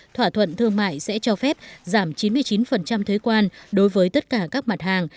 thỏa thuận thương mại sẽ cho phép giảm chín mươi chín thuế quan đối với tất cả các mặt hàng